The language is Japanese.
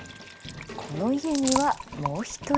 この家にはもう一人。